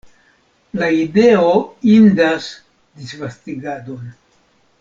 La ideo indas disvastigadon!